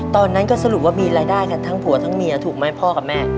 ตอนนั้นก็สรุปว่ามีรายได้กันทั้งผัวทั้งเมียถูกไหมพ่อกับแม่